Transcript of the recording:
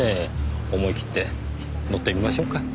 思いきって乗ってみましょうか。